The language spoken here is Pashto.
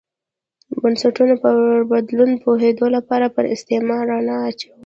د بنسټونو پر بدلون پوهېدو لپاره پر استعمار رڼا اچوو.